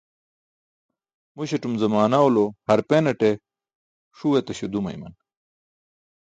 Muśatum zamaanwalo harpanate ṣuu etáśo dumayman.